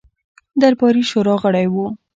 د درباري شورا غړی وو.